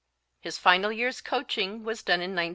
His final year's coaching was done in 1915.